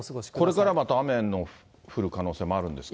これからまた雨の降る可能性もあるんですか。